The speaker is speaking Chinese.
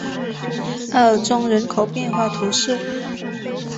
阿尔宗人口变化图示